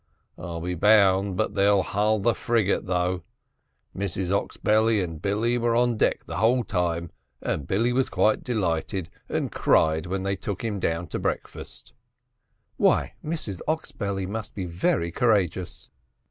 I'll be bound but they'll hull the frigate though. Mrs Oxbelly and Billy were on deck the whole time and Billy was quite delighted, and cried when they took him down to breakfast." "Why, Mrs Oxbelly must be very courageous."